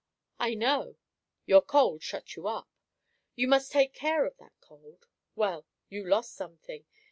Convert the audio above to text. I know; your cold shut you up. You must take care of that cold. Well, you lost something.